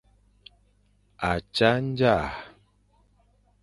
A tsa ndzaʼa.